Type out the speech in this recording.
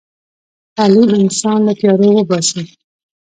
تعلیم انسان له تیارو وباسي.